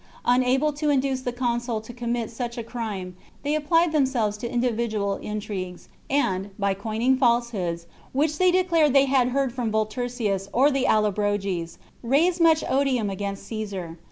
Unable to induce the consul to commit such a crime, they applied themselves to individual intrigues, and, by coining falsehoods, which they declared they had heard from Volturcius or the Allobroges, raised much odium against Caesar.